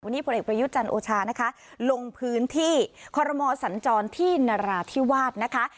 วันนี้ผลเอกประยุทธ์จันทร์โอชานะคะลงพื้นที่คอรมอสัญจรที่นราธิวาสนะคะ